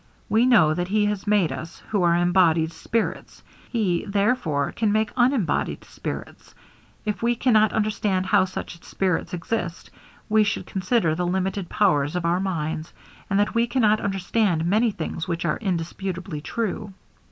We know that he has made us, who are embodied spirits; he, therefore, can make unembodied spirits. If we cannot understand how such spirits exist, we should consider the limited powers of our minds, and that we cannot understand many things which are indisputably true.